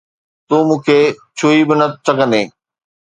تون مون کي ڇهي به نه سگهندين